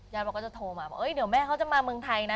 ย่าพ่อก็จะโทรมาว่าเฮ้ยเดี๋ยวแม่เขาจะมาเมืองไทยนะ